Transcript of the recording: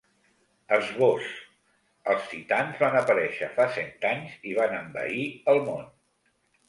Esbós: Els titans van aparèixer fa cent anys i van envair el món.